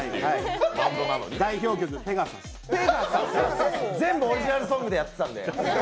代表曲「ペガサス」全部オリジナルソングでやってたんで。